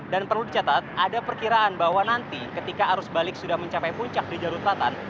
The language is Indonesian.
dan perlu dicatat ada perkiraan bahwa nanti ketika arus balik sudah mencapai puncak di jalur selatan